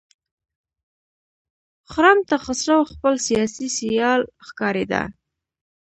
خرم ته خسرو خپل سیاسي سیال ښکارېده.